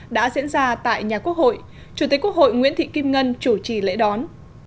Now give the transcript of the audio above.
đã diễn ra tại nhà quốc hội chủ tịch quốc hội nguyễn thị kim ngân chủ trì lễ đón